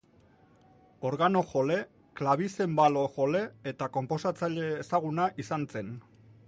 Organo-jole, klabizenbalo-jole eta konposatzaile ezaguna izan zen.